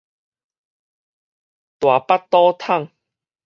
大腹肚桶